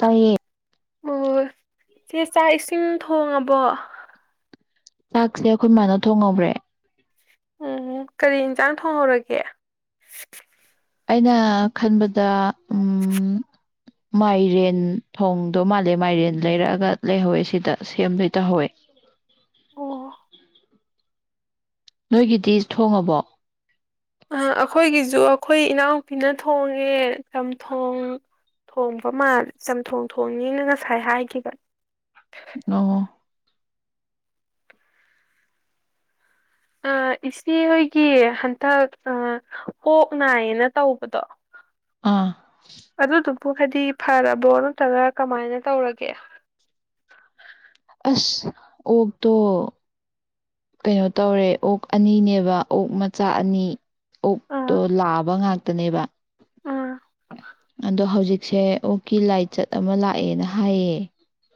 ꯇꯥꯏꯌꯦ ꯑꯣ ꯆꯦ ꯆꯥꯛ ꯏꯁꯤꯡ ꯊꯣꯡꯉꯕꯣ ꯆꯥꯛꯁꯦ ꯑꯩꯈꯣꯏ ꯃꯥꯅ ꯊꯣꯡꯍꯧꯕ꯭ꯔꯦ ꯎꯝ ꯀꯔꯤ ꯏꯟꯁꯥꯡ ꯊꯣꯡꯍꯧꯔꯒꯦ ꯑꯩꯅ ꯈꯟꯕꯗ ꯃꯥꯏꯔꯦꯟ ꯊꯣꯡꯗꯣ ꯃꯥꯜꯂꯦ ꯃꯥꯏꯔꯦꯟ ꯂꯩꯔꯛꯑꯒ ꯂꯩꯍꯧꯋꯦ ꯁꯤꯗ ꯁꯦꯝꯗ ꯇꯧꯍꯧꯋꯦ ꯑꯣ ꯅꯣꯏꯒꯤꯗꯤ ꯊꯣꯡꯉꯕꯣ ꯑ ꯑꯩꯈꯣꯏꯒꯤꯁꯨ ꯑꯩꯈꯣꯏ ꯏꯅꯥꯎꯄꯤꯅ ꯊꯣꯡꯉꯦ ꯆꯝꯊꯣꯡ ꯊꯣꯡꯕ ꯃꯥꯜ ꯆꯝꯊꯣꯡ ꯊꯣꯡꯅꯤꯅ ꯉꯁꯥꯏ ꯍꯥꯏꯒꯤꯕ ꯑꫭ ꯑ ꯏꯆꯦ ꯍꯣꯏꯒꯤ ꯍꯟꯇꯛ ꯑꫭꯛ ꯅꯥꯏꯌꯦꯅ ꯇꯧꯕꯗꯣ ꯑꯥ ꯑꯗꯨꯗꯨ ꯕꯨ ꯍꯥꯏꯗꯤ ꯐꯔꯕꯣ ꯅꯠꯇ꯭ꯔꯒ ꯀꯃꯥꯏꯅ ꯇꯧꯔꯒꯦ ꯑꯁ ꯑꯣꯛꯇꯣ ꯀꯩꯅꯣ ꯇꯧꯔꯦ ꯑꯣꯛ ꯑꯅꯤꯅꯦꯕ ꯑꯣꯛ ꯃꯆꯥ ꯑꯅꯤ ꯑꯣꯛꯇꯣ ꯑꯥ ꯂꯥꯕ ꯉꯥꯛꯇꯅꯦꯕ ꯑꯥ ꯑꯗꯣ ꯍꯧꯖꯤꯛꯁꯦ ꯑꯣꯀꯤ ꯂꯥꯏꯆꯠ ꯑꯃ ꯂꯥꯛꯑꯦꯅ ꯍꯥꯏꯌꯦ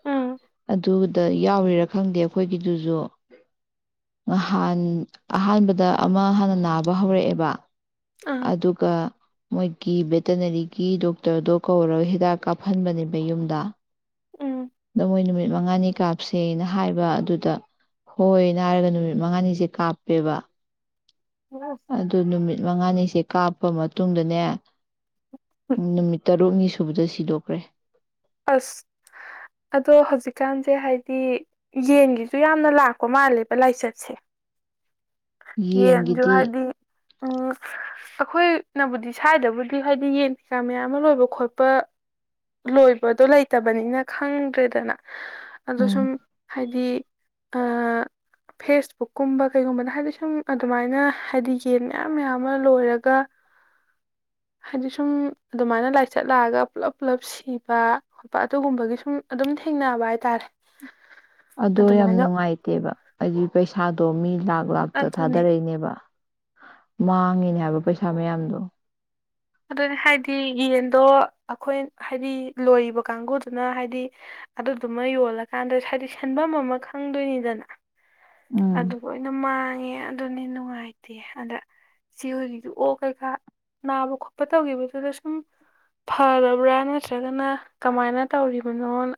ꯎꯝ ꯑꯗꯨꯗ ꯌꯥꯎꯔꯤꯔꯥ ꯈꯪꯗꯦ ꯑꯩꯈꯣꯏꯒꯤꯗꯨꯁꯨ ꯅꯍꯥꯟ ꯑꯍꯥꯟꯕꯗ ꯑꯃ ꯍꯥꯟꯅ ꯅꯥꯕ ꯍꯧꯔꯛꯑꯦꯕ ꯑꯥ ꯑꯗꯨꯒ ꯃꯣꯏꯒꯤ ꯚꯦꯇꯅꯔꯤꯒꯤ ꯗꯣꯛꯇꯔꯗꯣ ꯀꯧꯔꯒ ꯍꯤꯗꯥꯛ ꯀꯥꯞꯍꯟꯕꯅꯦꯕ ꯌꯨꯝꯗ ꯎꯝ ꯑꯗꯣ ꯃꯣꯏ ꯅꯨꯃꯤꯠ ꯃꯉꯥꯅꯤ ꯀꯥꯞꯁꯦꯅ ꯍꯥꯏꯕ ꯑꯗꯨꯗ ꯍꯣꯏꯅ ꯍꯥꯏꯔꯒ ꯅꯨꯃꯤꯠ ꯃꯉꯥꯅꯤꯁꯦ ꯀꯥꯞꯄꯦꯕ ꯑꯗꯨ ꯅꯨꯃꯤꯠ ꯃꯉꯥꯅꯤ ꯁꯦ ꯀꯥꯞꯄ ꯃꯇꯨꯡꯗꯅꯦ ꯅꯨꯃꯤꯠ ꯇꯔꯨꯛꯅꯤ ꯁꯨꯕꯗ ꯁꯤꯗꯣꯛꯈ꯭ꯔꯦ ꯑꯁ ꯑꯗꯣ ꯍꯧꯖꯤꯛꯀꯥꯟꯁꯦ ꯍꯥꯏꯗꯤ ꯌꯦꯟꯒꯤꯁꯨ ꯌꯥꯝꯅ ꯂꯥꯛꯄ ꯃꯥꯜꯂꯦꯕ ꯂꯥꯏꯆꯠꯁꯦ ꯌꯦꯟꯁꯨ ꯌꯦꯟꯒꯤꯗꯤ ꯍꯥꯏꯗꯤ ꯎꯝ ꯑꯩꯈꯣꯏꯅꯕꯨꯗꯤ ꯁꯥꯏꯗꯕꯨꯗꯤ ꯍꯥꯏꯗꯤ ꯌꯦꯟ ꯀꯩꯀꯥ ꯃꯌꯥꯝ ꯑꯃ ꯂꯣꯏꯕ ꯈꯣꯠꯄ ꯂꯣꯏꯕꯗꯣ ꯂꯩꯇꯕꯅꯤꯅ ꯈꯪꯗ꯭ꯔꯦꯗꯅ ꯑꯗꯣ ꯁꯨꯝ ꯎꯝ ꯍꯥꯏꯗꯤ ꯑ ꯐꯦꯁꯕꯨꯛ ꯀꯨꯝꯕ ꯀꯩꯒꯨꯝꯕꯗ ꯍꯥꯏꯗꯤ ꯁꯨꯝ ꯑꯗꯨꯃꯥꯏꯅ ꯍꯥꯏꯗꯤ ꯌꯦꯟ ꯃꯌꯥꯝ ꯃꯌꯥꯝ ꯑꯃ ꯂꯣꯏꯔꯒ ꯍꯥꯏꯗꯤ ꯁꯨꯝ ꯑꯗꯨꯃꯥꯏꯅ ꯂꯥꯏꯆꯠ ꯂꯥꯛꯑꯒ ꯄꯨꯂꯞ ꯄꯨꯜꯂꯞ ꯁꯤꯕ ꯈꯣꯠꯄ ꯑꯗꯨꯒꯨꯝꯕꯒꯤ ꯁꯨꯝ ꯑꯗꯨꯝ ꯊꯦꯡꯅꯕ ꯍꯥꯏꯇꯥꯔꯦ ꯑꯗꯣ ꯌꯥꯝ ꯑꯗꯨꯃꯥꯏꯅ ꯅꯨꯡꯉꯥꯏꯇꯦꯕ ꯑꯩꯒꯤ ꯄꯩꯁꯥꯗꯣ ꯃꯤ ꯂꯥꯛ ꯂꯥꯛꯇ ꯑꯗꯨꯅꯤ ꯊꯥꯗꯔꯛꯏꯅꯦꯕ ꯃꯥꯡꯉꯤꯅꯦ ꯍꯥꯏꯕ ꯄꯩꯁꯥ ꯃꯌꯥꯝꯗꯣ ꯑꯗꯨꯅꯦ ꯍꯥꯏꯗꯤ ꯌꯦꯟꯗꯣ ꯑꯩꯈꯣꯏ ꯍꯥꯏꯗꯤ ꯂꯣꯏꯔꯤꯕ ꯀꯥꯡꯒꯨꯗꯨꯅ ꯍꯥꯏꯗꯤ ꯑꯗꯨꯗꯨꯃ ꯌꯣꯜꯂꯀꯥꯟꯗ ꯍꯥꯏꯗꯤ ꯁꯦꯟꯚꯝ ꯑꯃ ꯈꯪꯗꯣꯏꯅꯤꯗꯅ ꯎꯝ ꯑꯗꯨ ꯂꫭꯏꯅ ꯃꯥꯡꯉꯦ ꯑꯦ ꯑꯗꯨꯅꯤ ꯅꯨꯡꯉꯥꯏꯇꯦ ꯑꯗ ꯏꯆꯦ ꯍꯣꯏꯒꯤꯗ ꯑꯣ ꯀꯩꯀꯥ ꯅꯥꯕ ꯈꯣꯠ ꯇꯧꯈꯤꯕꯗꯨꯗ ꯁꯨꯝ ꯐꯔꯕ꯭ꯔꯥ ꯅꯠꯇ꯭ꯔꯒꯅ ꯀꯃꯥꯏꯅ ꯇꯧꯔꯤꯕꯅꯣꯅ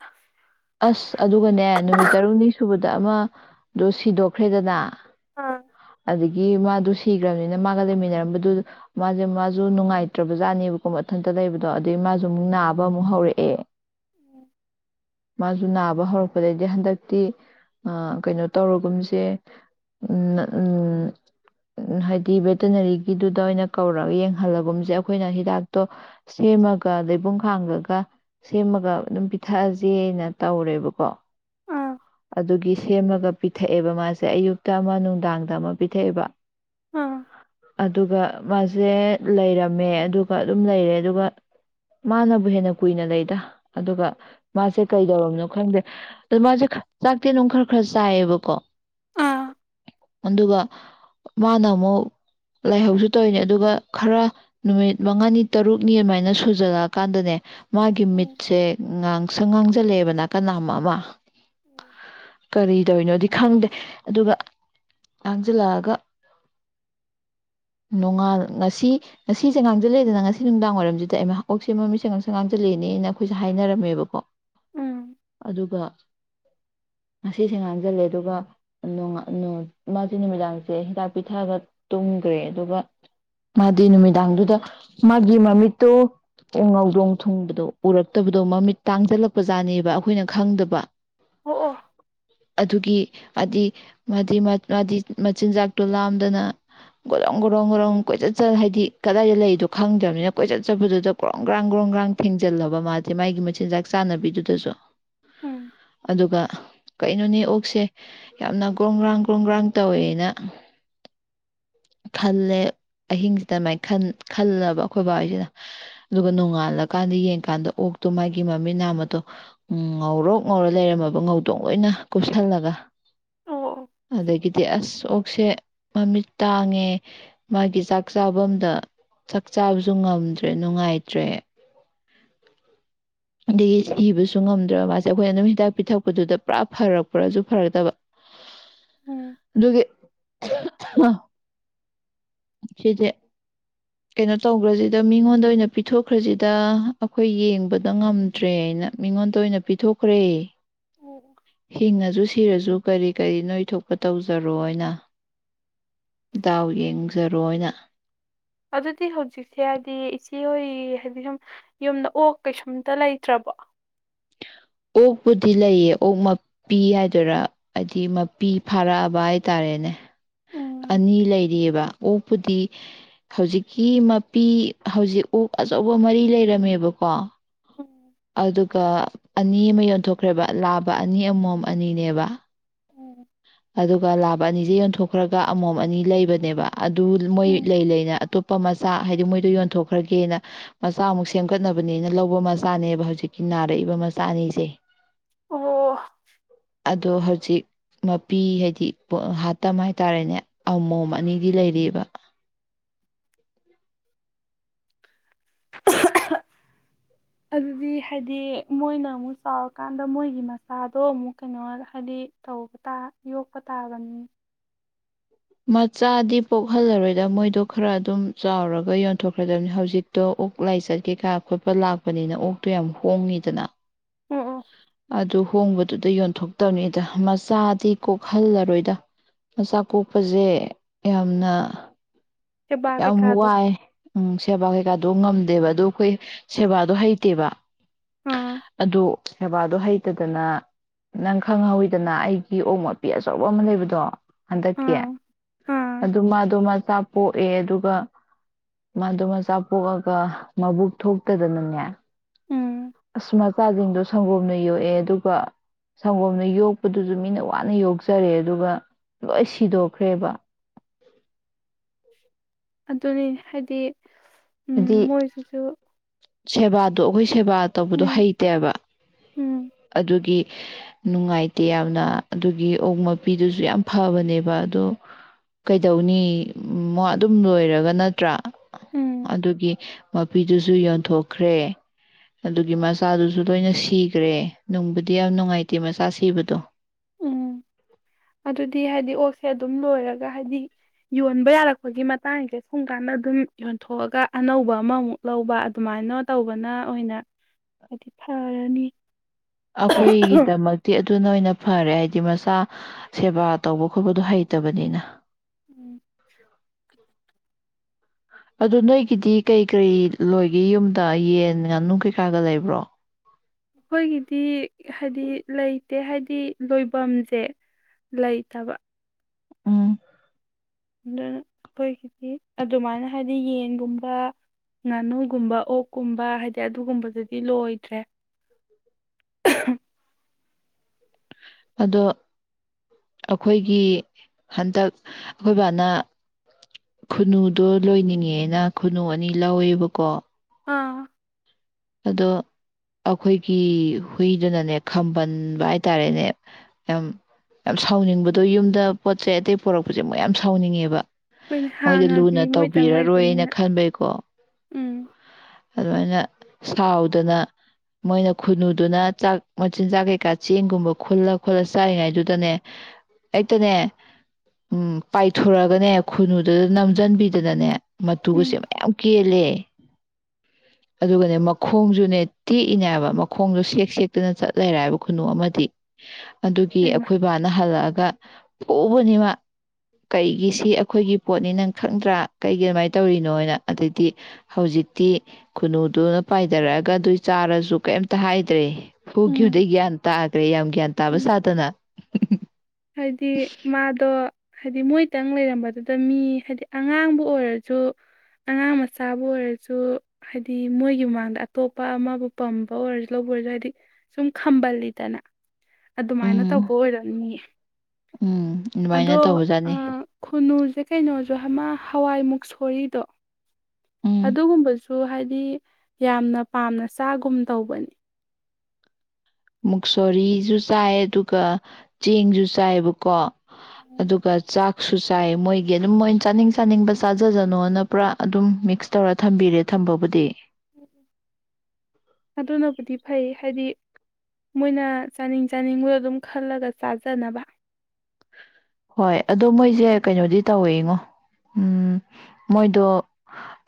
ꯑꯁ ꯑꯗꯨꯒꯅꯦ ꯅꯨꯃꯤꯠ ꯇꯔꯨꯛꯅꯤ ꯁꯨꯕꯗ ꯑꯃꯗꯨꯣ ꯁꯤꯗꯣꯛꯈ꯭ꯔꯦꯗꯅ ꯑꯥ ꯑꯗꯒꯤ ꯃꯥꯗꯨ ꯁꯤꯒ꯭ꯔꯕꯅꯤꯅ ꯃꯥꯒ ꯂꯩꯃꯤꯟꯅꯔꯝꯕꯗꯨ ꯃꯥꯁꯦ ꯃꯥꯁꯨ ꯅꯨꯡꯉꯥꯏꯇ꯭ꯔꯕꯖꯥꯠꯅꯦꯕꯀꯣ ꯃꯊꯟꯇ ꯂꯩꯕꯗꯣ ꯑꯗꯨꯩ ꯃꯥꯁꯨ ꯑꯃꯨꯛ ꯅꯥꯕ ꯑꯃꯨꯛ ꯍꯧꯔꯛꯑꯦ ꯃꯥꯁꯨ ꯅꯥꯕ ꯍꯧꯔꯛꯄꯗꯩꯗꯤ ꯍꯟꯗꯛꯇꯤ ꯀꯩꯅꯣ ꯇꯧꯔꯒꯨꯝꯁꯦ ꯅ ꯍꯥꯏꯗꯤ ꯚꯦꯇꯤꯅꯔꯤꯒꯤꯗꯨꯗ ꯑꯣꯏꯅ ꯀꯧꯔꯒ ꯌꯦꯡꯍꯜꯂꯒꯨꯝꯁꯦ ꯑꯩꯈꯣꯏꯅ ꯍꯤꯗꯥꯛꯇꯣ ꯁꯦꯝꯃꯒ ꯂꯩꯩꯕꯨꯡ ꯈꯥꯡꯉꯒ ꯁꯦꯝꯃꯒ ꯑꯗꯨꯝ ꯄꯤꯊꯛꯑꯖꯦꯅ ꯇꯧꯔꯦꯕꯀꯣ ꯑꯥ ꯑꯗꯨꯒꯤ ꯁꯦꯝꯃꯒ ꯄꯤꯊꯛꯑꯦꯕ ꯃꯥꯁꯦ ꯑꯌꯨꯛꯇ ꯑꯃ ꯅꯨꯡꯗꯥꯡꯗ ꯑꯃ ꯄꯤꯊꯛꯑꯦꯕ ꯑꯥ ꯑꯗꯨꯒ ꯃꯥ ꯁꯦ ꯂꯩꯔꯝꯃꯦ ꯑꯗꯨꯒ ꯑꯗꯨꯝ ꯂꯩꯔꯦ ꯑꯗꯨꯒ ꯃꯥꯅꯕꯨ ꯍꯦꯟꯅ ꯀꯨꯏꯅ ꯂꯩꯗ ꯑꯗꯨꯒ ꯃꯥꯁꯦ ꯀꯩꯗꯧꯔꯕꯅꯣ ꯈꯪꯗꯦ ꯗ ꯃꯥꯁꯦ ꯆꯥꯛꯇꯤ ꯑꯗꯨꯝ ꯈꯔ ꯈꯔ ꯆꯥꯏꯌꯦꯕꯀꯣ ꯑꯥ ꯑꯗꯨꯒ ꯃꯥꯅ ꯑꯃꯨꯛ ꯂꯥꯏꯍꯧꯁꯨ ꯇꯧꯏꯅꯦ ꯑꯗꯨꯒ ꯈꯔ ꯅꯨꯃꯤꯠ ꯃꯉꯥꯅꯤ ꯇꯔꯨꯛꯅꯤ ꯑꯗꯨꯃꯥꯏꯅ ꯁꯨꯖꯜꯂꯛꯑꯀꯥꯟꯗꯅꯦ ꯃꯥꯒꯤ ꯎꯝ ꯃꯤꯠꯁꯦ ꯉꯥꯡ ꯁꯪ ꯉꯥꯡ ꯖꯜꯂꯦꯕ ꯅꯥꯀꯟ ꯅꯥꯝ ꯑꯃ ꯀꯔꯤ ꯗꫭꯏꯅꫭꯗꯤ ꯈꯪꯗꯦ ꯑꯗꯨꯒ ꯉꯥꯡꯖꯜꯂꯛꯑꯒ ꯅꯣꯡꯉꯥꯜ ꯉꯁꯤ ꯉꯁꯤꯁꯦ ꯉꯥꯡꯁꯤꯜꯂꯛꯑꯦꯗꯅ ꯉꯁꯤ ꯅꯨꯡꯗꯥꯡ ꯋꯥꯏꯔꯝꯁꯤꯗ ꯍꯩꯃꯥ ꯑꯣꯛꯁꯦ ꯃꯃꯤꯠꯁꯦ ꯉꯥꯡꯁꯪ ꯉꯥꯡꯁꯤꯜꯂꯛꯑꯦꯅꯦꯅ ꯑꯩꯈꯣꯏꯁꯦ ꯍꯥꯏꯅꯔꯝꯃꯦꯕꯀꯣ ꯎꯝ ꯎꯝ ꯑꯗꯨꯒ ꯉꯁꯤꯁꯦ ꯉꯥꯡꯁꯤꯜꯂꯦ ꯑꯗꯨꯒ ꯃꯥꯒꯤ ꯅꯨꯃꯤꯗꯥꯡꯁꯦ ꯍꯤꯗꯥꯛ ꯄꯤꯊꯛꯒ ꯇꯨꯝꯈ꯭ꯔꯦ ꯑꯗꯨꯒ ꯃꯥꯒꯤ ꯅꯨꯃꯤꯗꯥꯡꯗꯨꯗ ꯃꯥꯒꯤ ꯃꯃꯤꯠꯇꯣ ꯉꯧꯗꯣꯡ ꯊꯨꯡꯕꯗꯣ ꯎꯔꯛꯇꯕꯗꯣ ꯃꯃꯤꯠ ꯇꯥꯡꯁꯤꯜꯂꯛꯄ ꯄ꯭ꯔꯖꯥꯅꯦꯕ ꯑꯩꯈꯣꯏꯅ ꯈꯪꯗꯕ ꯑꯣ ꯑꯣ ꯑꯗꯨꯒꯤ ꯃꯥꯗꯤ ꯃꯥꯗꯤ ꯃꯥꯗꯤ ꯃꯆꯤꯟꯖꯥꯛꯇꯣ ꯂꯥꯝꯗꯅ ꯒꯣꯔꯣꯡ ꯒꯣꯔꯣꯡ ꯒꯣꯔꯣꯡ ꯀꯣꯏꯆꯠ ꯆꯠ ꯍꯥꯏꯗꯤ ꯀꯗꯥꯏꯗ ꯂꯩꯔꯤꯗꯣ ꯈꯪꯗ꯭ꯔꯕꯅꯤꯅ ꯀꯣꯏꯆꯠ ꯆꯠꯄꯗꯨꯗ ꯀꯣꯔꯣ ꯒ꯭ꯔꯥꯡ ꯒ꯭ꯔꯣꯡ ꯒ꯭ꯔꯥꯡ ꯊꯦꯡꯖꯤꯜꯂꯕ ꯃꯥꯗꯤ ꯃꯥꯒꯤ ꯃꯆꯤꯟꯖꯥꯛ ꯆꯥꯟꯅꯕꯤꯗꯨꯗꯁꯨ ꯎꯝ ꯑꯗꯨꯒ ꯀꯩꯅꯣꯅꯦ ꯑꯣꯛꯁꯦ ꯌꯥꯝꯅ ꯒ꯭ꯔꯣꯝ ꯒ꯭ꯔꯥꯡ ꯒ꯭ꯔꯣ ꯒ꯭ꯔꯥꯡ ꯇꯧꯋꯦꯅ ꯈꯜꯂꯦ ꯑꯍꯤꯡꯁꯤꯗꯃꯥꯏꯅ ꯈꯜꯂꯕ ꯑꯩꯈꯣꯏ ꯕꯥꯕꯍꯩꯁꯤꯅ ꯑꯗꯨꯒ ꯅꯣꯡꯉꯥꯜꯂꯀꯥꯟꯗ ꯌꯦꯡꯀꯥꯟꯗ ꯑꯣꯛꯇꯣ ꯃꯥꯒꯤ ꯃꯃꯤꯠ ꯅꯥꯃꯗꯣ ꯉꯧꯔꯣꯛ ꯉꯧꯔ ꯂꯩꯔꯝꯃꯕ ꯉꯧꯗꯣꯡ ꯂꯣꯏꯅ ꯀꯨꯞꯁꯜꯂꯒ ꯑꯣ ꯑꯣ ꯑꯗꯒꯤꯗꯤ ꯑꯥꯁ ꯁꯦ ꯃꯃꯤꯠ ꯇꯥꯡꯉꯦ ꯃꯥꯒꯤ ꯆꯥꯛ ꯆꯥꯐꯝꯗ ꯆꯥꯛ ꯆꯥꯕꯁꯨ ꯉꯝꯗ꯭ꯔꯦ ꯅꯨꯡꯉꯥꯏꯇ꯭ꯔꯦ ꯑꯗꯒꯤ ꯁꯤꯕꯁꯨ ꯉꯝꯗ꯭ꯔꯕ ꯃꯥꯁꯦ ꯑꯩꯈꯣꯏꯅ ꯑꯗꯨꯝ ꯍꯤꯗꯥꯛ ꯄꯤꯊꯛꯄꯗꯨꯗ ꯄꯨꯔꯥ ꯐꯔꯛꯄ꯭ꯔꯁꯨ ꯐꯔꯛꯇꯕ ꯎꯝ ꯑꯗꯨꯒꯤ ꯁꯤꯆꯦ ꯀꯩꯅꯣ ꯇꯧꯈ꯭ꯔꯁꯤꯗ ꯃꯤꯉꯣꯟꯗ ꯑꯣꯏꯅ ꯄꯤꯊꯣꯛꯈ꯭ꯔꯁꯤꯗ ꯑꯩꯈꯣꯏ ꯌꯦꯡꯕꯗ ꯉꯝꯗ꯭ꯔꯦꯅ ꯃꯤꯉꯣꯟꯗ ꯑꯣꯏꯅ ꯄꯤꯊꯣꯛꯈ꯭ꯔꯦ ꯑꯣ ꯑꯣ ꯍꯤꯡꯉꯁꯨ ꯁꯤꯔꯁꯨ ꯀꯔꯤ ꯀꯔꯤ ꯅꯣꯏ ꯊꯣꯛꯣꯛꯄ ꯇꯧꯖꯔꯣꯅ ꯗꯥꯎ ꯌꯦꯡꯖꯔꯣꯅ ꯑꯗꯨꯗꯤ ꯍꯧꯖꯤꯛꯁꯦ ꯍꯥꯏꯗꯤ ꯏꯆꯦꯍꯣꯏ ꯍꯥꯏꯗꯤ ꯁꯨꯝ ꯌꯨꯝꯗ ꯑꯣꯛ ꯀꯩꯁꯨꯝꯇ ꯂꯩꯇ꯭ꯔꯕꯣ ꯑꯣꯛꯄꯨꯗꯤ ꯂꯩꯌꯦ ꯑꯣꯛ ꯃꯄꯤ ꯍꯥꯏꯗꯣꯏꯔꯥ ꯍꯥꯏꯗꯤ ꯃꯄꯤ ꯐꯥꯔꯛꯑꯕ ꯍꯥꯏꯇꯥꯔꯦꯅꯦ ꯎꯝ ꯑꯅꯤ ꯂꯩꯔꯤꯑꯕ ꯑꯣꯛꯄꯨꯗꯤ ꯍꯧꯖꯤꯛꯀꯤ ꯃꯄꯤ ꯍꯧꯖꯤꯛ ꯑꯣꯛ ꯑꯆꯧꯕ ꯃꯔꯤ ꯂꯩꯔꯝꯃꯦꯕꯀꯣ ꯎꯝ ꯑꯗꯨꯒ ꯑꯅꯤ ꯑꯃ ꯌꯣꯟꯊꯣꯛꯈ꯭ꯔꯦꯕ ꯂꯥꯕ ꯑꯅꯤ ꯑꯃꯃꯣꯝ ꯑꯅꯤꯅꯦꯕ ꯎꯝ ꯑꯗꯨꯒ ꯂꯥꯕ ꯑꯅꯤꯁꯦ ꯌꯣꯟꯊꯣꯛꯈ꯭ꯔꯒ ꯑꯃꯣꯝ ꯑꯅꯤ ꯂꯩꯕꯅꯦꯕ ꯑꯗꯨ ꯃꯣꯏ ꯎꯝ ꯂꯩ ꯂꯩꯅ ꯑꯇꯣꯞ ꯑꯇꯣꯞꯄ ꯃꯆꯥ ꯍꯥꯏꯗꯤ ꯃꯣꯏꯗꯣ ꯌꯣꯟꯊꯣꯛꯈ꯭ꯔꯒꯦꯅ ꯃꯆꯥ ꯑꯃꯨꯛ ꯁꯦꯝꯒꯠꯅꯕꯅꯦꯅ ꯂꯧꯕ ꯃꯆꯥꯅꯦꯕ ꯍꯧꯖꯤꯛꯀꯤ ꯅꯥꯔꯛꯏꯕ ꯃꯆꯥ ꯑꯅꯤꯁꯦ ꯑꯣ ꯑꯗꯣ ꯍꯧꯖꯤꯛ ꯃꯄꯤ ꯍꯥꯏꯗꯤ ꯍꯥꯠꯇꯝ ꯍꯥꯏꯇꯥꯔꯦꯅꯦ ꯑꯃꯣꯝ ꯑꯅꯤꯗꯤ ꯂꯩꯕ ꯑꯗꯨꯗꯤ ꯍꯥꯏꯗꯤ ꯃꯣꯏꯅ ꯑꯃꯨꯛ ꯆꯥꯎꯔꯀꯥꯟꯗ ꯃꯣꯏꯒꯤ ꯃꯆꯥꯗꯣ ꯑꯃꯨꯛ ꯀꯩꯅꯣ ꯍꯥꯏꯗꯤ ꯇꯧꯕ ꯌꯣꯛꯄ ꯇꯥꯕꯅꯤ ꯃꯆꯥꯗꯤ ꯄꯣꯛꯍꯜꯂꯔꯣꯏꯗ ꯃꯣꯏꯗꯣ ꯈꯔ ꯑꯗꯨꯝ ꯆꯥꯎꯔꯒ ꯌꯣꯟꯊꯣꯛꯈ꯭ꯔꯗꯕꯅꯤ ꯍꯧꯖꯤꯛꯇꯣ ꯑꯣꯛ ꯂꯥꯏꯆꯠꯀꯦ ꯀꯥ ꯈꯣꯠꯄ ꯂꯥꯛꯄꯅꯤꯅ ꯑꯣꯛꯇꯣ ꯌꯥꯝ ꯍꯣꯡꯉꯤꯗꯅ ꯑꯣ ꯑꯣ ꯑꯗꯨ ꯍꯣꯡꯕꯗꯨ ꯑꯗꯨꯗ ꯌꯣꯟꯊꯣꯛꯇꯕꯅꯤꯗ ꯃꯆꯥꯗꯤ ꯀꯣꯛꯍꯜꯂꯔꯣꯏꯗ ꯃꯆꯥ ꯀꯣꯛ ꯄꯁꯦ ꯌꯥꯝꯅ ꯁꯦꯕꯥ ꯌꯥꯝ ꯀꯩꯀꯥꯗꯣ ꯋꯥꯏ ꯎꯝ ꯁꯦꯕꯥꯩ ꯀꯩꯀꯗꯣ ꯉꯝꯗꯦꯕ ꯑꯗꯨ ꯑꯩꯈꯣꯏ ꯁꯦꯕꯥꯗꯣ ꯍꯩꯇꯦꯕ ꯑꯥ ꯑꯗꯨ ꯁꯦꯕꯥꯗꯣ ꯍꯩꯇꯗꯅ ꯅꯪ ꯈꯪꯍꯧꯋꯤꯗꯅ ꯑꯩꯒꯤ ꯑꯣꯛ ꯃꯄꯤ ꯑꯆꯧꯕ ꯑꯃ ꯂꯩꯕꯗꯣ ꯍꯟꯗꯛꯀꯤ ꯑꯥ ꯑꯥ ꯑꯗꯨ ꯃꯥꯗꯣ ꯃꯥ ꯄꯣꯛꯑꯦ ꯑꯗꯨꯒ ꯃꯥꯗꯣ ꯃꯆꯥ ꯄꯣꯛꯑꯒ ꯃꯕꯨꯛ ꯊꯣꯛꯇꯗꯅꯅꯦ ꯎꯝ ꯑꯁ ꯃꯆꯥꯁꯤꯡꯗꯣ ꯁꯪꯒꯣꯝꯅ ꯌꯣꯛꯑꯦ ꯑꯗꯨꯒ ꯁꯪꯒꯣꯝꯅ ꯌꯣꯛꯄꯗꯨꯁꯨ ꯃꯤꯅ ꯋꯥꯅ ꯌꯣꯛꯆꯔꯦ ꯑꯗꯨꯒ ꯂꯣꯏ ꯁꯤꯗꯣꯛꯈ꯭ꯔꯦꯕ ꯑꯗꯨꯅꯤ ꯍꯥꯏꯗꯤ ꯎꯝ ꯍꯥꯏꯗꯤ ꯃꯣꯏꯁꯤꯁꯨ ꯁꯦꯕꯥꯗꯣ ꯑꯩꯈꯣꯏ ꯁꯦꯕꯥ ꯇꯧꯕꯗꯣ ꯎꯝ ꯍꯩꯇꯦꯕ ꯎꯝ ꯑꯗꯨꯒꯤ ꯅꯨꯡꯉꯥꯏꯇꯦ ꯌꯥꯝꯅ ꯑꯗꯨꯒꯤ ꯑꯣꯛ ꯃꯄꯤꯗꯨꯁꯨ ꯌꯥꯝ ꯐꯕꯅꯦꯕ ꯑꯗꯣ ꯀꯩꯗꯧꯅꯤ ꯃ ꯑꯗꯨꯝ ꯂꯣꯏꯔꯒ ꯅꯠꯇ꯭ꯔꯥ ꯎꯝ ꯑꯗꯨꯒꯤ ꯃꯄꯤꯗꯨꯁꯨ ꯌꯣꯟꯊꯣꯛꯈ꯭ꯔꯦ ꯑꯗꯨꯒꯤ ꯃꯆꯥꯗꯨꯁꯨ ꯂꯣꯏꯅ ꯁꯤꯈ꯭ꯔꯦ ꯅꯨꯡꯕꯨꯗꯤ ꯌꯥꯝ ꯅꯨꯡꯉꯥꯏꯇꯦ ꯃꯆꯥ ꯁꯤꯕꯗꯣ ꯎꯝ ꯑꯗꯨꯗꯤ ꯍꯥꯏꯗꯤ ꯑꯣꯛꯁꯦ ꯑꯗꯨꯝ ꯂꯣꯏꯔꯒ ꯍꯥꯏꯗꯤ ꯌꯣꯟꯕ ꯌꯥꯔꯛꯄꯒꯤ ꯃꯇꯥꯡꯁꯦ ꯁꯨꯝ ꯀꯥꯟꯗ ꯑꯗꯨꯝ ꯌꯣꯟꯊꯣꯛꯑꯒ ꯑꯅꯧꯕ ꯑꯃꯃꯨꯛ ꯂꯧꯕ ꯑꯗꯨꯃꯥꯏꯅ ꯇꯧꯕꯅ ꯑꯣꯏꯅ ꯍꯥꯏꯗꯤ ꯐꯔꯅꯤ ꯑꯩꯈꯣꯏꯒꯤꯗꯃꯛꯇꯤ ꯑꯗꯨꯅ ꯑꯣꯏꯅ ꯐꯔꯦ ꯍꯥꯏꯗꯤ ꯃꯁ ꯁꯦꯕꯥ ꯇꯧꯕ ꯈꯣꯠꯄꯗꯣ ꯍꯩꯇꯕꯅꯤꯅ [inaudible] ꯑꯗꯨ ꯅꯣꯏꯒꯤꯗꯤ ꯀꯩ ꯀꯔꯤ ꯂꯣꯏꯒꯦ ꯌꯨꯝꯗ ꯌꯦꯟ ꯉꯥꯅꯨ ꯀꯩꯀꯥꯒ ꯂꯩꯕ꯭ꯔꯣ ꯑꯩꯈꯣꯏꯒꯤꯗꯤ ꯍꯥꯏꯗꯤ ꯂꯩꯇꯦ ꯍꯥꯏꯕꯗꯤ ꯂꯣꯏꯐꯝꯁꯦ ꯂꯩꯇꯕ ꯎꯝ ꯑꯗꯨꯅ ꯑꯩꯈꯣꯏꯒꯤꯗꯤ ꯑꯗꯨꯃꯥꯏꯅ ꯍꯥꯏꯗꯤ ꯌꯦꯟꯒꯨꯝꯕ ꯉꯥꯅꯨꯒꯨꯝꯕ ꯑꯣꯛꯀꯨꯝꯕ ꯍꯥꯏꯗꯤ ꯑꯗꯨꯒꯨꯝꯕꯗꯗꯤ ꯂꯣꯏꯗ꯭ꯔꯦ ꯑꯗꯣ ꯑꯩꯈꯣꯏꯒꯤ ꯍꯟꯗꯛ ꯑꯩꯈꯣꯏ ꯕꯥꯅ ꯈꯨꯟꯅꯨꯗꯣ ꯂꯣꯏꯅꯤꯡꯉꯦꯅ ꯈꯨꯟꯅꯨ ꯑꯅꯤ ꯂꯧꯋꯦꯕꯀꯣ ꯑꯥ ꯑꯗꯣ ꯑꯩꯈꯣꯏꯒꯤ ꯍꯨꯏꯗꯨꯅꯅꯦ ꯈꯝꯕꯟꯕ ꯍꯥꯏꯇꯥꯔꯦꯅꯦ ꯌꯥꯝ ꯌꯥꯝ ꯁꯥꯎꯅꯤꯡꯕꯗꯣ ꯌꯨꯝꯗ ꯄꯣꯠ ꯆꯩꯩ ꯑꯇꯩ ꯄꯣꯔꯛꯄꯁꯦ ꯃꯣꯏ ꯌꯥꯝ ꯁꯥꯎꯅꯤꯡꯉꯦꯕ ꯑꯩꯈꯣꯏꯅ ꯃꯣꯏꯗ ꯍꯥꯟꯅꯗꯤ ꯂꯨꯅ ꯃꯣꯏꯇꯪ ꯇꯧꯕꯤꯔꯔꯣꯏꯅ ꯂꯩꯕꯅꯤꯅ ꯈꯟꯕꯩꯀꯣ ꯎꯝ ꯑꯗꯨꯃꯥꯏꯅ ꯁꯥꯎꯗꯅ ꯃꯣꯏꯅ ꯈꯨꯟꯅꯨꯗꯨꯅ ꯆꯥꯛ ꯃꯆꯤꯟꯖꯥꯛ ꯀꯩꯀꯥ ꯆꯦꯡꯒꯨꯝꯕ ꯈꯨꯜꯂ ꯈꯣꯠꯂ ꯆꯥꯔꯤꯉꯩꯗꯨꯗꯅꯦ ꯍꯛꯇꯅꯦ ꯎꯝ ꯄꯥꯏꯊꯣꯔꯛꯑꯒꯅꯦ ꯈꯨꯟꯅꯨꯗꯨꯗ ꯅꯝꯁꯤꯟꯕꯤꯗꯅꯅꯦ ꯃꯇꯨꯒꯁꯦ ꯎꯝ ꯃꯌꯥꯝ ꯀꯦꯜꯂꯦ ꯑꯗꯨꯒꯅꯦ ꯃꯈꯣꯡꯁꯨꯅꯦ ꯇꯦꯛꯏꯅꯦꯕ ꯃꯈꯣꯡꯗꯣ ꯁꯦꯛ ꯁꯦꯛꯇꯅ ꯆꯠꯂꯔ ꯍꯥꯏꯕ ꯈꯨꯅꯨ ꯑꯃꯗꯤ ꯑꯗꯨꯒꯤ ꯍꯩꯃ ꯑꯩꯈꯣꯏ ꯕꯥꯅ ꯍꯜꯂꯛꯑꯒ ꯑꯗꯨꯒ ꯄꯨꯕꯅꯤꯃ ꯀꯩꯒꯤ ꯁꯤ ꯑꯩꯈꯣꯏꯒꯤ ꯄꯣꯠꯅꯤ ꯅꯪ ꯈꯪꯗ꯭ꯔꯥ ꯀꯩꯒꯤ ꯑꯗꯨꯃꯥꯏꯅ ꯇꯧꯔꯤꯅꯣꯅ ꯑꯗꯩꯗꯤ ꯍꯧꯖꯤꯛꯇꯤ ꯈꯨꯅꯨꯗꯨꯅ ꯄꯥꯏꯊꯔꯛꯑꯒ ꯑꯗꯨꯏ ꯆꯥꯔꯁꯨ ꯀꯩꯝꯇ ꯍꯥꯏꯗ꯭ꯔꯦ ꯎꯝ ꯍꯒꯌꯗ ꯇꯥꯈ꯭ꯔꯦ ꯌꯥꯝ ꯒ꯭ꯌꯥꯟ ꯇꯥꯕ ꯎꯝ ꯁꯥꯗꯅ ꯍꯥꯏꯗꯤ ꯃꯥꯗꯣ ꯍꯥꯏꯗꯤ ꯃꯣꯏꯇꯪ ꯂꯩꯔꯝꯕꯗꯨꯗ ꯃꯤ ꯍꯥꯏꯗꯤ ꯑꯉꯥꯡꯕꯨ ꯑꯣꯏꯔꯁꯨ ꯑꯉꯥꯡ ꯃꯆꯥꯕꯨ ꯑꯣꯏꯔꯁꯨ ꯍꯥꯏꯗꯤ ꯃꯣꯏꯒꯤ ꯃꯃꯥꯡꯗ ꯑꯇꯣꯞꯄ ꯑꯃꯕꯨ ꯄꯝꯕ ꯑꯣꯏꯔꯁꯨ ꯂꯧꯕ ꯑꯣꯏꯔꯁꯨ ꯍꯥꯏꯗꯤ ꯁꯨꯝ ꯈꯝꯕꯜꯂꯤꯗꯅ ꯑꯗꯨꯃꯥꯏꯅ ꯎꯝ ꯇꯧꯕ ꯑꯣꯏꯔꯝꯅꯤ ꯎꯝ ꯑꯗꯨꯃꯥꯏꯅ ꯑꯗꯣ ꯇꯧꯕꯖꯥꯠꯅꯤ ꯈꯨꯅꯨꯁꯦ ꯀꯩꯅꯣꯁꯨ ꯍꯥꯃ ꯍꯋꯥꯏ ꯃꯨꯛ ꯁꯣꯔꯤꯗꯣ ꯎꯝ ꯑꯗꯨꯒꯨꯝꯕꯁꯨ ꯍꯥꯏꯗꯤ ꯌꯥꯝꯅ ꯄꯥꯝꯅ ꯆꯥꯒꯨꯝ ꯇꯧꯕꯅꯤ ꯃꯨꯛꯁꯣꯔꯤꯁꯨ ꯆꯥꯏ ꯑꯗꯨꯒ ꯆꯦꯡꯁꯨ ꯆꯥꯏꯕꯀꯣ ꯑꯗꯨꯒ ꯆꯥꯛꯁꯨ ꯆꯥꯏ ꯃꯣꯏꯒꯤ ꯑꯗꯨꯝ ꯃꯣꯏ ꯆꯥꯅꯤꯡ ꯆꯥꯅꯤꯡꯕ ꯆꯥꯖꯖꯅꯣꯅ ꯄꯨꯔꯥ ꯑꯗꯨꯝ ꯃꯤꯛꯁ ꯇꯧꯔ ꯊꯝꯕꯤꯔꯦ ꯊꯝꯕꯕꯨꯗꯤ ꯑꯗꯨꯅꯕꯨꯗꯤ ꯐꯩ ꯍꯥꯏꯗꯤ ꯃꯣꯏꯅ ꯆꯥꯅꯤꯡ ꯆꯥꯅꯤꯡꯗ ꯑꯗꯨꯝ ꯈꯜꯂꯒ ꯆꯥꯖꯅꯕ ꯍꯣꯏ ꯑꯗꯣ ꯃꯣꯏꯁꯦ ꯀꯩꯅꯣꯗꯤ ꯇꯧꯋꯦꯉꯣ ꯎꯝ ꯃꯣꯏꯗꯣ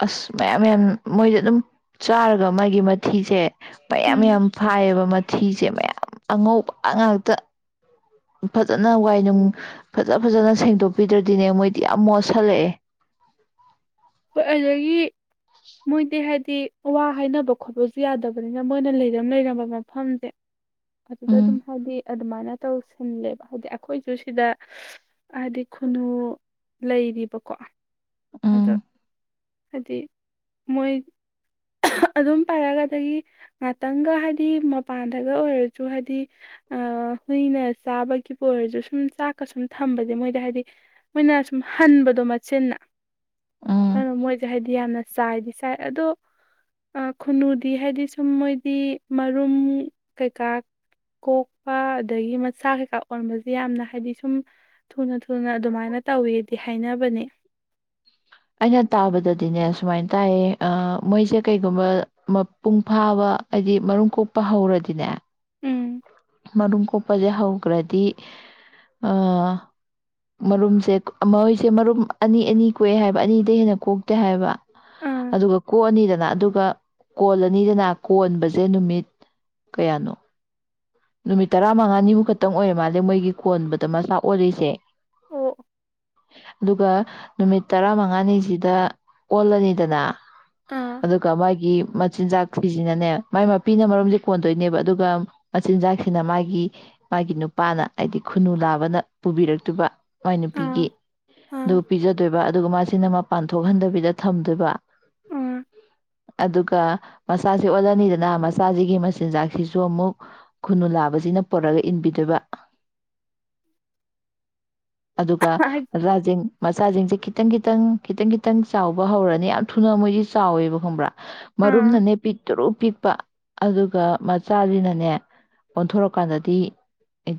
ꯑꯁ ꯃꯌꯥꯝ ꯃꯌꯥꯝ ꯃꯣꯏꯗꯦ ꯑꯗꯨꯝ ꯆꯥꯔꯒ ꯃꯥꯒꯤ ꯃꯊꯤꯁꯦ ꯃꯌꯥꯝ ꯎꯝ ꯌꯥꯝ ꯐꯥꯏꯌꯦꯕ ꯃꯊꯤꯁꯦ ꯃꯌꯥꯝ ꯑꯉꯧꯕ ꯑꯉꯥꯡꯇ ꯐꯖꯅ ꯋꯥꯏꯅꯨꯡ ꯐꯖ ꯐꯖꯅ ꯁꯦꯡꯗꯣꯛꯄꯤꯗ꯭ꯔꯗꯤꯅꯦ ꯃꯣꯏꯗꯤ ꯌꯥꯝ ꯃꯣꯠꯁꯤꯜꯂꯛꯑꯦ ꯍꯣꯏ ꯑꯗꯨꯗꯒꯤ ꯃꯣꯏꯗꯤ ꯍꯥꯏꯗꯤ ꯋꯥ ꯍꯥꯏꯅꯕ ꯈꯣꯠꯄꯁꯨ ꯌꯥꯗꯕꯅꯤꯅ ꯃꯣꯏꯅ ꯂꯩꯔꯝ ꯂꯩꯔꯝꯕ ꯃꯐꯝꯁꯦ ꯑꯗꯨꯗ ꯎꯝ ꯑꯗꯨꯝ ꯍꯥꯏꯗꯤ ꯑꯗꯨꯃꯥꯏꯅ ꯇꯧꯁꯤꯜꯂꯦꯕ ꯍꯥꯏꯗꯤ ꯑꯩꯈꯣꯏ ꯁꯨ ꯁꯤꯗ ꯍꯥꯏꯗꯤ ꯈꯨꯅꯨ ꯂꯩꯔꯤꯕꯀꯣ ꯑꯗꯣ ꯎꯝ ꯍꯥꯏꯗꯤ ꯃꯣꯏ ꯑꯗꯨꯝ ꯄꯥꯏꯔꯛꯑꯒꯗꯒꯤ ꯉꯥꯛꯇꯪꯒ ꯍꯥꯏꯗꯤ ꯃꯄꯥꯟꯗꯒ ꯑꯣꯏꯔꯁꯨ ꯍꯥꯏꯗꯤ ꯍꯨꯏꯅ ꯆꯥꯕꯒꯤꯕꯨ ꯑꯣꯏꯔꯁꯨ ꯁꯨꯝ ꯆꯥꯛꯀ ꯁꯨꯝ ꯊꯝꯕꯁꯦ ꯃꯣꯏꯗ ꯍꯥꯏꯗꯤ ꯃꯣꯏꯅ ꯁꯨꯝ ꯍꯟꯕꯗꯣ ꯃꯠꯆꯤꯟꯅ ꯎꯝ ꯇꯥꯏ ꯑꯗꯣ ꯈꯨꯟꯅꯨꯗꯤ ꯍꯥꯏꯗꯤ ꯁꯨꯝ ꯃꯣꯏꯗꯤ ꯃꯔꯨꯝ ꯀꯩꯀꯥ ꯀꯣꯛꯄ ꯑꯗꯒꯤ ꯃꯆꯥ ꯀꯩꯀꯥ ꯑꯣꯟꯕꯁꯦ ꯌꯥꯝꯅ ꯍꯥꯏꯗꯤ ꯁꯨꯝ ꯊꯨꯅ ꯊꯨꯅ ꯑꯗꯨꯃꯥꯏꯅ ꯇꯧꯋꯦꯗꯤ ꯍꯥꯏꯅꯕꯅꯦ ꯑꯩꯅ ꯇꯥꯕꯗꯗꯤꯅꯦ ꯁꯨꯃꯥꯏꯅ ꯇꯥꯏꯌꯦ ꯃꯣꯏꯁꯦ ꯀꯩꯒꯨꯝꯕ ꯃꯄꯨꯡ ꯐꯥꯕ ꯍꯥꯏꯗꯤ ꯃꯔꯨꯝ ꯀꯣꯛꯄ ꯍꯧꯔꯗꯤꯅꯦ ꯎꯝ ꯃꯔꯨꯝ ꯀꯣꯛꯄꯁꯦ ꯍꯧꯈ꯭ꯔꯗꯤ ꯃꯔꯨꯝꯁꯦ ꯃꯣꯏꯁꯦ ꯃꯔꯨꯝ ꯑꯅꯤ ꯑꯅꯤ ꯀꯣꯛꯑꯦ ꯍꯥꯏꯕ ꯑꯅꯤꯗ ꯍꯦꯟꯅ ꯀꯣꯛꯇꯦ ꯍꯥꯏꯕ ꯑꯥ ꯑꯗꯨꯒ ꯀꯣꯛꯑꯅꯤꯗꯅ ꯑꯗꯨꯒ ꯀꯣꯜꯂꯅꯤꯗꯅ ꯀꯣꯟꯕꯁꯦ ꯅꯨꯃꯤꯠ ꯀꯌꯥꯅꯣ ꯅꯨꯃꯤꯠ ꯇꯔꯥ ꯃꯉꯥꯅꯤꯃꯨꯛ ꯈꯛꯇꯪ ꯑꯣꯏꯔꯦ ꯃꯥꯜꯂꯦ ꯃꯣꯏꯒꯤ ꯀꯣꯟꯕꯗ ꯃꯁꯥ ꯑꯣꯜꯂꯤꯁꯦ ꯑꯣ ꯑꯗꯨꯒ ꯅꯨꯃꯤꯠ ꯇꯔꯥ ꯃꯉꯥꯅꯤꯁꯤꯗ ꯑꯣꯜꯂꯅꯤꯗꯅ ꯑꯥ ꯑꯗꯨꯒ ꯃꯥꯒꯤ ꯃꯆꯤꯟꯖꯥꯛ ꯤꯁꯤꯅꯅꯦ ꯃꯥꯏ ꯃꯄꯤꯅ ꯃꯔꯝꯗꯤ ꯀꯣꯟꯗꯣꯏꯅꯦꯕ ꯑꯗꯨꯒ ꯃꯆꯤꯟꯖꯥꯛꯁꯤꯅ ꯃꯥꯒꯤ ꯃꯥꯒꯤ ꯅꯨꯄꯥꯅ ꯍꯥꯏꯗꯤ ꯈꯨꯅꯨ ꯅꯥꯕꯅ ꯄꯨꯕꯤꯔꯛꯇꯕ ꯃꯥꯏ ꯅꯨꯄꯤꯒꯤ ꯑꯥ ꯑꯗꯨ ꯑꯥ ꯄꯤꯖꯗꯣꯏꯕ ꯑꯗꯨꯒ ꯃꯥ ꯁꯤꯅ ꯃꯄꯥꯟ ꯊꯣꯛꯍꯟꯗꯕꯤꯗ ꯊꯝꯗꯣꯏꯕ ꯑꯥ ꯑꯗꯨꯒ ꯃꯆꯥꯁꯤ ꯑꯣꯜꯂꯅꯤꯗꯅ ꯃꯆꯥꯁꯤꯒꯤ ꯃꯆꯤꯟꯖꯥꯛꯁꯤꯁꯨ ꯑꯃꯨꯛ ꯈꯨꯅꯨ ꯂꯥꯕꯁꯤꯅ ꯄꯨꯔꯒ ꯏꯟꯕꯤꯗꯕ ꯑꯗꯨꯒ ꯍꯥꯏ- ꯔꯥꯁꯤꯡ ꯃꯆꯥꯁꯤꯡꯁꯦ ꯈꯤꯇꯪ ꯈꯤꯇꯪ ꯈꯤꯇꯪ ꯈꯤꯇꯪ ꯆꯥꯎꯕ ꯍꯧꯔꯅꯤ ꯌꯥꯝ ꯊꯨꯅ ꯃꯣꯏꯗꯤ ꯆꯥꯎꯋꯦꯕ ꯈꯪꯕ꯭ꯔꯥ ꯑꯥ ꯃꯔꯨꯝꯅꯅꯦ ꯄꯤ ꯇꯔꯨ ꯄꯤꯛꯄ ꯑꯗꯨꯒ ꯃꯆꯥꯗꯤꯅꯅꯦ ꯑꯣꯟꯊꯣꯔꯛꯀꯥꯟꯗꯗꯤ